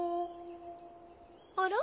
あら？